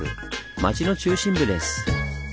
町の中心部です。